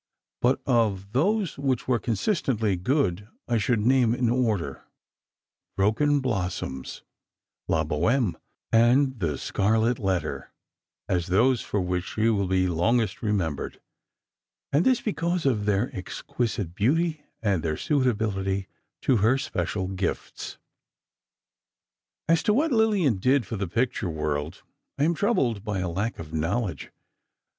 But of those which were consistently good, I should name, in order, "Broken Blossoms," "La Bohême" and "The Scarlet Letter" as those for which she will be longest remembered: and this because of their exquisite beauty and their suitability to her special gifts. As to what Lillian did for the picture world, I am troubled by a lack of knowledge.